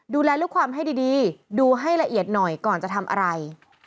ดูแลลูกความให้ดีดูให้ละเอียดหน่อยก่อนจะทำอะไร